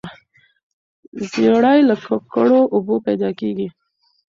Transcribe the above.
زیړی له ککړو اوبو پیدا کیږي.